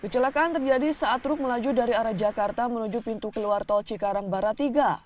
kecelakaan terjadi saat truk melaju dari arah jakarta menuju pintu keluar tol cikarang barat tiga